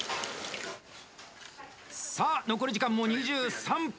さあ、残り時間も２３分。